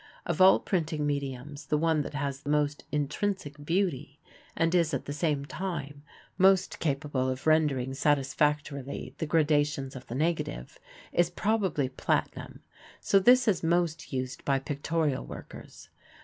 Of all printing mediums the one that has most intrinsic beauty, and is at the same time most capable of rendering satisfactorily the gradations of the negative, is probably platinum, so this is most used by pictorial workers.